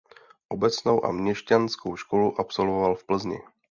Obecnou a měšťanskou školu absolvoval v Plzni.